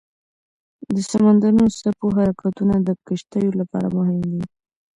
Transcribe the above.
د سمندرونو څپو حرکتونه د کشتیو لپاره مهم دي.